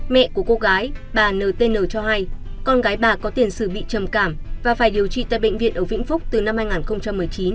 mẹ của cô gái bà ntn cho hay con gái bà có tiền sử bị trầm cảm và phải điều trị tại bệnh viện ở vĩnh phúc từ năm hai nghìn một mươi chín